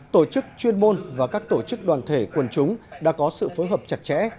tổ chức chuyên môn và các tổ chức đoàn thể quần chúng đã có sự phối hợp chặt chẽ